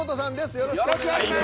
よろしくお願いします。